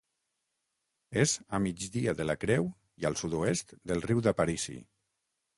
És a migdia de la Creu i al sud-oest del Riu d'Aparici.